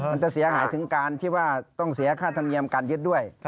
มันจะเสียหายถึงการที่ว่าต้องเสียค่าธรรมเนียมการยึดด้วย